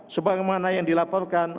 sebagaimana yang dilaporkan